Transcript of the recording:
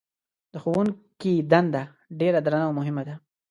د ښوونکي دنده ډېره درنه او مهمه ده.